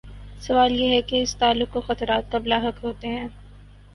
سوال یہ ہے کہ اس تعلق کو خطرات کب لاحق ہوتے ہیں؟